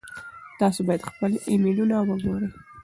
تاسو باید خپل ایمیلونه وګورئ.